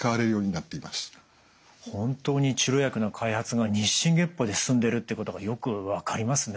本当に治療薬の開発が日進月歩で進んでるってことがよく分かりますね。